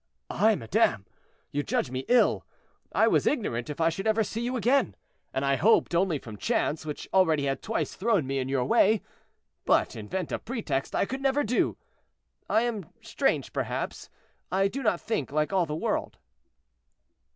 "I, madame! you judge me ill. I was ignorant if I should ever see you again, and I hoped only from chance, which already had twice thrown me in your way; but invent a pretext I could never do. I am strange, perhaps; I do not think like all the world."